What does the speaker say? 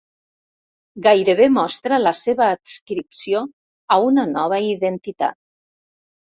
Gairebé mostra la seva adscripció a una nova identitat.